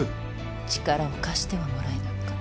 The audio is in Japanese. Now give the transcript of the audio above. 力を貸してはもらえぬか？